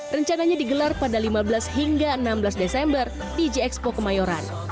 rencananya digelar pada lima belas hingga enam belas desember di g expo kemayoran